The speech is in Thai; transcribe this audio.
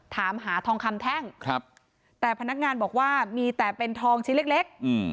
ถามหาทองคำแท่งครับแต่พนักงานบอกว่ามีแต่เป็นทองชิ้นเล็กเล็ก